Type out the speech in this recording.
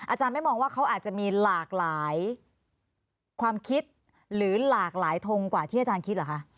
อาจารย์ไม่มองว่าเขาอาจจะมีหลากหลายความคิดหรือหลากหลายทงกว่าที่อาจารย์คิดเหรอคะ